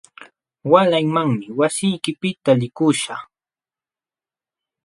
Waalaymanmi wasiykipiqta likuśhaq.